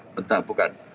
ya betul bukan